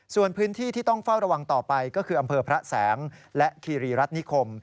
ส่วนพื้นที่ที่ต้องเฝ้าระวังต่อไปก็คืออำเภอพระแสงและคีรีรัฐนิคม